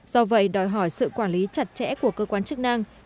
do vậy đòi hỏi sự quản lý chặt chẽ của cơ quan chức năng